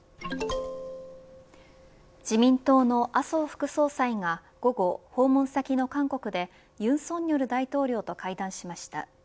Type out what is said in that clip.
自民党の麻生副総裁が午後、訪問先の韓国で尹錫悦大統領と会談しました。